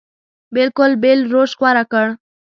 بلکل بېل روش غوره کړ.